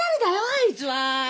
あいつは！